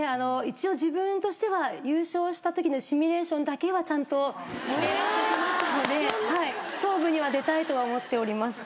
一応自分としては優勝したときのシミュレーションだけはちゃんとしてきましたので勝負には出たいとは思っております。